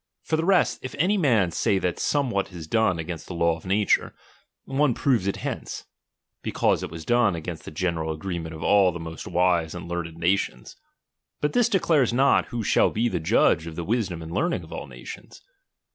For the rest, if any man say that somewhat is done against the law of nature, one proves it hence ; be cause it was done against the general agreement of all the most wise and learned nations : but this declares not who aball be the judge of the wisdom and learning of all nations.